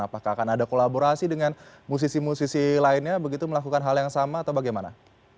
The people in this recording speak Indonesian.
apakah akan ada kolaborasi dengan musisi musisi lainnya begitu melakukan hal yang sama atau bagaimana